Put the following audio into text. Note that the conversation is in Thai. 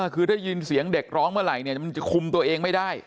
คือได้ยินเสียงเด็กร้องเมื่อไหร่มันจะคุมตัวเองไม่ได้